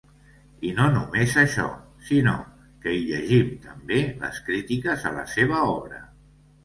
I no només això, sinó que hi llegim també les crítiques a la seva obra.